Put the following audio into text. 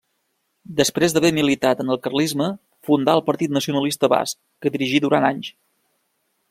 Després d'haver militat en el carlisme fundà el Partit Nacionalista Basc, que dirigí durant anys.